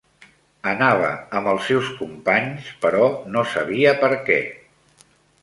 Anava amb els seus companys, però no sabia per què.